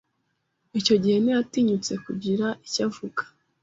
Icyo gihe ntiyatinyutse kugira icyo avuga